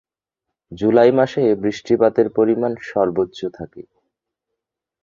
জুলাই মাসে বৃষ্টিপাতের পরিমাণ সর্বোচ্চ থাকে।